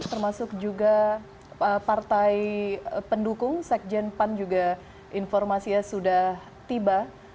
termasuk juga partai pendukung sekjen pan juga informasinya sudah tiba